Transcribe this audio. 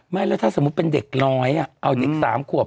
ไม่แล้วถ้าสมมุติเป็นเด็กน้อยเอาเด็ก๓ขวบ